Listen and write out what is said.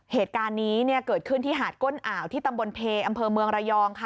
เหตุการณ์นี้เกิดขึ้นที่หาดก้นอ่าวที่ตำบลเพอำเภอเมืองระยองค่ะ